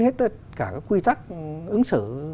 hết tất cả các quy tắc ứng xử